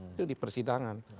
itu di persidangan